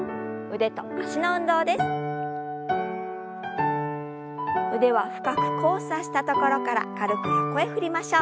腕は深く交差したところから軽く横へ振りましょう。